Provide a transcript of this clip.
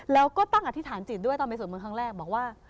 แล้วก็ตั้งอธิษฐานจิตด้วยตอนไปสวดมนต์ครั้งแรกบอกว่า